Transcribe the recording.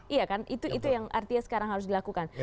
iya kan itu yang artinya sekarang harus dilakukan